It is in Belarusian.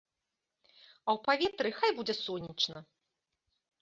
А ў паветры хай будзе сонечна.